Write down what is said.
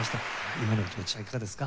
今のお気持ちはいかがですか？